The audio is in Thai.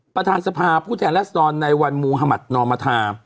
ประธานสภาผู้แทนรัศดรในวันมุธมัธนอมธา